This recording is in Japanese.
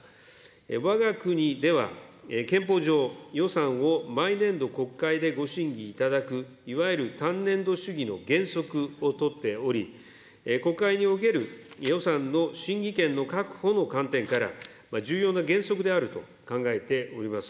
わが国では、憲法上、予算を毎年度、国会でご審議いただく、いわゆる単年度主義の原則をとっており、国会における予算の審議権の確保の観点から、重要な原則であると考えております。